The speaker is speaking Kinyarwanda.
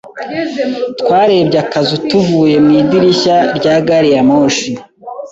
Twarebye akazu tuvuye mu idirishya rya gari ya moshi.